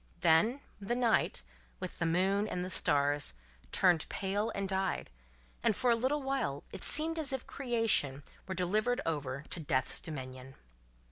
Then, the night, with the moon and the stars, turned pale and died, and for a little while it seemed as if Creation were delivered over to Death's dominion.